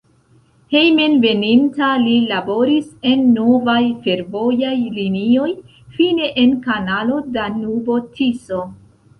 Hejmenveninta li laboris en novaj fervojaj linioj, fine en kanalo Danubo-Tiso.